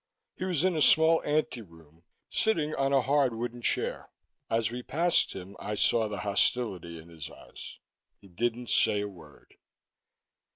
He was in a small anteroom, sitting on a hard wooden chair; as we passed him, I saw the hostility in his eyes. He didn't say a word.